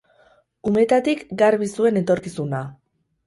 Umetatik garbi zuen etorkizuna.